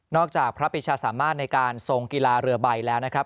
จากพระปิชาสามารถในการทรงกีฬาเรือใบแล้วนะครับ